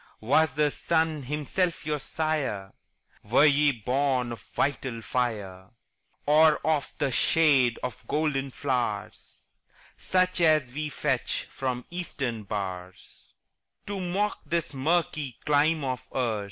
Was the sun himself your sire? Were ye born of vital fire? Or of the shade of golden flowers, Such as we fetch from Eastern bowers, To mock this murky clime of ours?